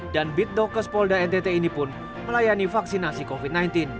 dan biddo kespolda ntt ini pun melayani vaksinasi covid sembilan belas